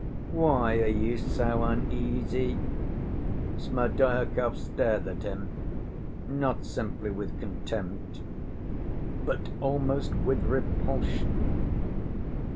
"Why are you so uneasy?" Smerdyakov stared at him, not simply with contempt, but almost with repulsion.